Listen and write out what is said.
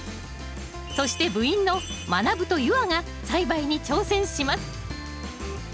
そして部員のまなぶと夕空が栽培に挑戦します